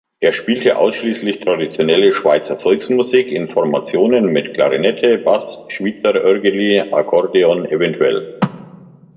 Er spielte ausschliesslich traditionelle Schweizer Volksmusik in Formationen mit Klarinette, Bass, Schwyzerörgeli, Akkordeon, evtl.